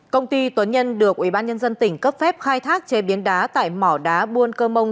công ty tuấn nhân được ubnd tỉnh cấp phép khai thác chế biến đá tại mỏ đá buôn cơ mông